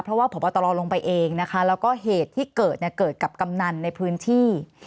เพราะว่าพบตรลงไปเองนะคะแล้วก็เหตุที่เกิดเนี่ยเกิดกับกำนันในพื้นที่